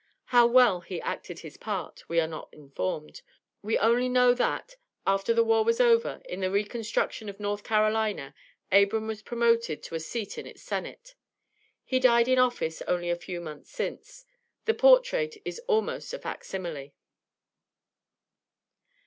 How well he acted his part, we are not informed. We only know that, after the war was over, in the reconstruction of North Carolina, Abram was promoted to a seat in its Senate. He died in office only a few months since. The portrait is almost a "fac simile."